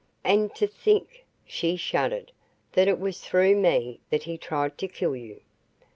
"And to think," she shuddered, "that it was through ME that he tried to kill you!"